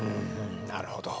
なるほど。